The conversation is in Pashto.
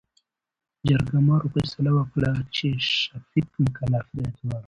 جرګمارو فيصله وکړه چې، شفيق مکلف دى.